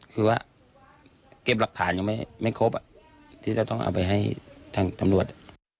คือว่าเก็บหลักฐานยังไม่ครบที่จะต้องเอาไปให้ทางตำรวจ